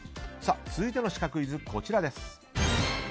続いてのシカクイズです。